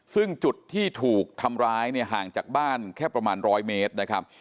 ซึ่งจุดที่ถูกทำร้ายเนี่ยห่างจากบ้านแค่ประมาณ๑๐๐เมตรนะครับ